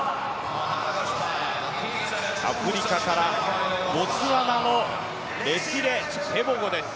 アフリカからボツワナのレツィレ・テボゴです。